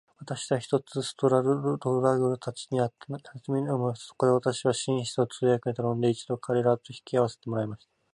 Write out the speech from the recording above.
私は、ひとつストラルドブラグたちに会って話してみたいと思いました。そこで私は、紳士を通訳に頼んで、一度彼等と引き合せてもらいました。